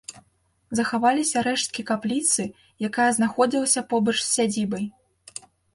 Захаваліся рэшткі капліцы, якая знаходзілася побач з сядзібай.